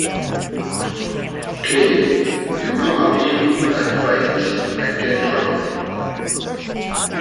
Ken you how a Whig can fight, Aikendrum?